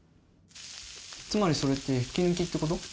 つまりそれって引き抜きってこと？